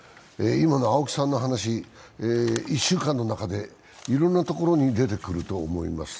今の青木さんの話、一週間の中でいろんなところに出てくると思います。